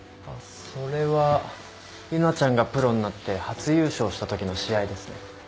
あっそれは結奈ちゃんがプロになって初優勝したときの試合ですね。